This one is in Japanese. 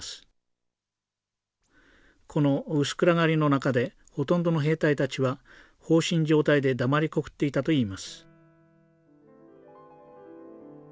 この薄暗がりの中でほとんどの兵隊たちは放心状態で黙りこくっていたといいます。